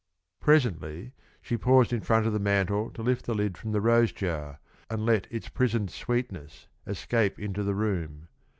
Presently she paused in front of the mantel to lift the lid from the rose jar and let its prisoned sweetness escape into the room.